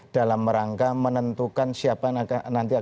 dalam rangka menentukan siapa nanti akan